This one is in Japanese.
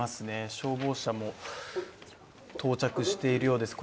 消防車も到着しているようです。